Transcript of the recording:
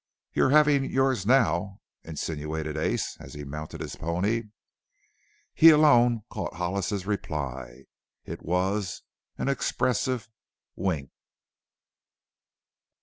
"You havin' yours now?" insinuated Ace, as he mounted his pony. He alone caught Hollis's reply. It was an expressive wink.